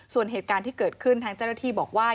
ส่วนเหตุการณ์ที่เกิดขึ้นทางเจ้าหน้าที่บอกว่า